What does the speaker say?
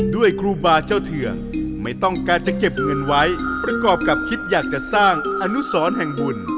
ครูบาเจ้าเถื่องไม่ต้องการจะเก็บเงินไว้ประกอบกับคิดอยากจะสร้างอนุสรแห่งบุญ